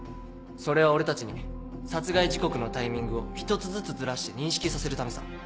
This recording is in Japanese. それは俺たちに殺害時刻のタイミングを１つずつずらして認識させるためさ。